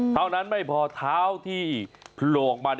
เท่านั้นไม่พอเท้าที่โผล่ออกมา